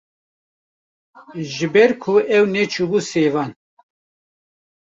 Ji ber ku ew neçûbû sêvan